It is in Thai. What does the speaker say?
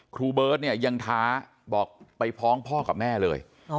ครูเบิร์ตเนี่ยยังท้าบอกไปฟ้องพ่อกับแม่เลย